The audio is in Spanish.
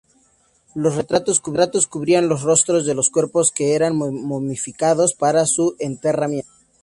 Los retratos cubrían los rostros de los cuerpos que eran momificados para su enterramiento.